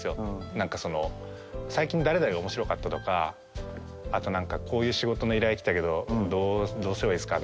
何かその最近誰々が面白かったとかあと何かこういう仕事の依頼来たけどどうすればいいっすか？